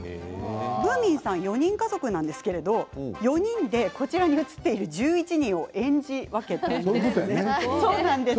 ぶーみんさん４人家族なんですが４人でこちらに写っている１１人を演じ分けているんです。